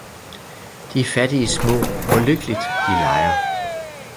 De fattige små, hvor lykkeligt de leger